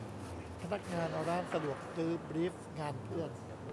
พนักงานร้านสะดวกซื้อบรีฟงานเพื่อน